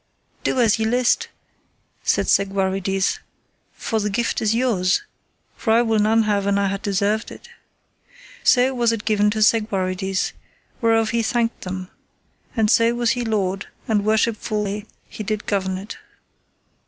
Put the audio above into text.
Do as ye list, said Segwarides, for the gift is yours, for I will none have an I had deserved it. So was it given to Segwarides, whereof he thanked them; and so was he lord, and worshipfully he did govern it.